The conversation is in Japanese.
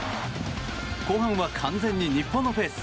後半は完全に日本のペース。